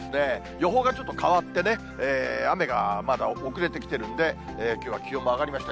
予報がちょっと変わってね、雨がまだ遅れてきてるんで、きょうは気温が上がりました。